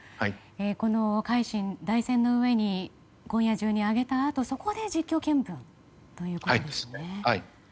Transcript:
台船の上に今夜中に上げたあとそこで実況見分ということですね。